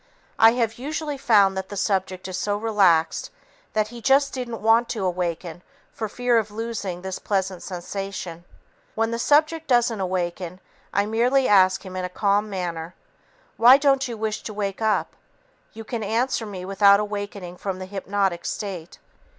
I have usually found that the subject is so relaxed that he just didn't want to awaken for fear of losing this pleasant sensation. When the subject doesn't awaken, I merely ask him in a calm manner, "Why don't you wish to wake up? You can answer me without awakening from the hypnotic state."